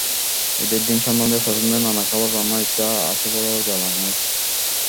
ঈদের দিন সন্তানদের পছন্দের নানা খাবার রান্নার ইচ্ছা আছে বলেও জানালেন।